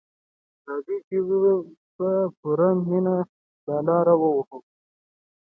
راځئ چې په پوره مینه دا لاره ووهو.